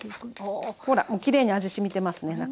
ほらもうきれいに味しみてますね